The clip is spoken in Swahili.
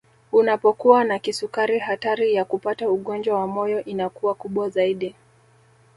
Unapokuwa na kisukari hatari ya kupata ugonjwa wa moyo inakuwa kubwa zaidi